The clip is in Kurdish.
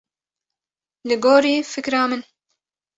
Li gorî fikra min.